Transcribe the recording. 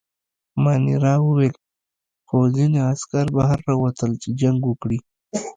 مانیرا وویل: خو ځینې عسکر بهر راووتل، چې جنګ وکړي.